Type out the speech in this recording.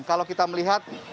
kalau kita melihat